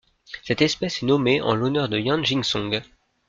Cette espèce est nommée en l'honneur de Yan-jing Song.